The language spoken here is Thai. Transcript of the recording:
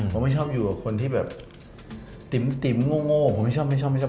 ผมไม่ชอบอยู่กับคนที่แบบติ๋มโง่ผมไม่ชอบ